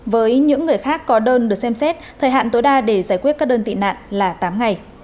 với những người khác có đơn được xem xét thời hạn tối đa để giải quyết các đơn tị nạn là tám ngày